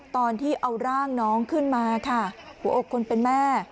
ตอนที่เอาร่างน้องขึ้นมาค่ะหัวอกคนเป็นแม่